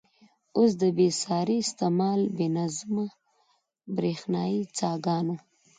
اوس د بې ساري استعمال، بې نظمه برېښنايي څاګانو.